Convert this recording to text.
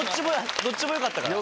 どっちもよかったから？